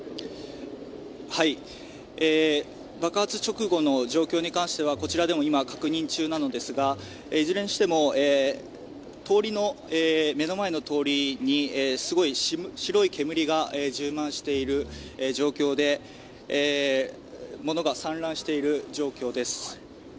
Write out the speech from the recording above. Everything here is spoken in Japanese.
爆発直後の状況に関してはこちらでも今、確認中ですがいずれにしても、目の前の通りにすごい白い煙が充満している状況で物が散乱している状況です。